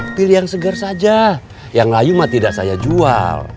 pilih yang segar saja yang layu mah tidak saya jual